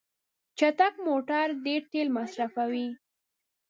چټک موټر ډیر تېل مصرفوي.